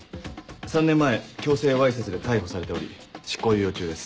３年前強制わいせつで逮捕されており執行猶予中です。